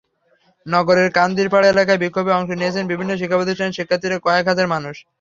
নগরের কান্দিরপাড় এলাকায় বিক্ষোভে অংশ নিয়েছেন বিভিন্ন শিক্ষাপ্রতিষ্ঠানের শিক্ষার্থীসহ কয়েক হাজার মানুষ।